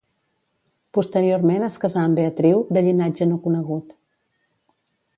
Posteriorment es casà amb Beatriu, de llinatge no conegut.